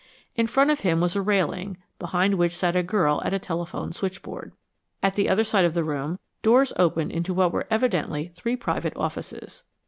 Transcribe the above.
In front of him was a railing, behind which sat a girl at a telephone switchboard. At the other side of the room, floors opened into what were evidently three private offices.